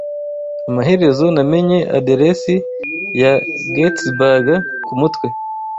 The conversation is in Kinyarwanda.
Amaherezo namenye Aderesi ya Gettysburg kumutwe